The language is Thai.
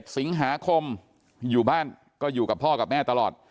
สิงหาคมอยู่บ้านก็อยู่กับพ่อกับแม่ตลอด